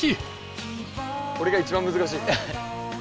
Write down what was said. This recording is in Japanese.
これが一番難しい。